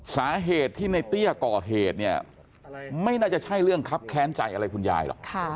สาเหตุที่ในเตี้ยก่อเหตุเนี่ยไม่น่าจะใช่เรื่องครับแค้นใจอะไรคุณยายหรอก